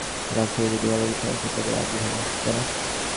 রাগ থেকে যদি ভালো কিছু আসে, তবে রাগই ভালো, তাইনা?